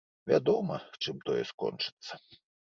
Вядома, чым тое скончыцца.